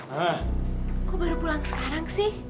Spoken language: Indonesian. kenapa kamu baru pulang sekarang